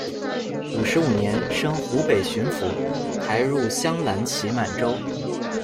五十五年，升湖北巡抚，抬入镶蓝旗满洲。